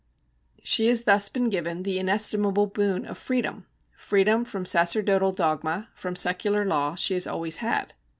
She has thus been given the inestimable boon of freedom. Freedom from sacerdotal dogma, from secular law, she has always had.